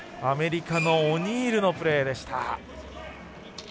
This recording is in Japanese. アメリカのオニールのプレーでした。